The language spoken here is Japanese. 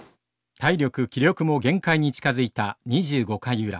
体力、気力も限界に近づいた２５回裏。